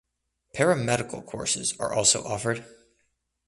Paramedical courses are also offered.